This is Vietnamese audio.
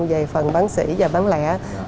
về phần bán sỉ và bán lẻ